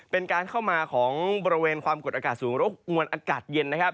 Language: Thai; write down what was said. เป็นการเข้ามาของบริเวณความกดอากาศสูงรบกวนอากาศเย็นนะครับ